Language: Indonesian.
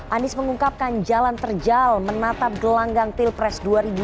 anies mengungkapkan jalan terjal menatap gelanggang pilpres dua ribu dua puluh